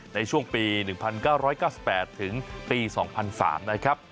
ในช่วงปี๑๙๙๘ถึงปี๒๐๐๓นะครับ